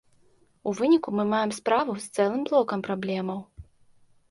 У выніку мы маем справу з цэлым блокам праблемаў.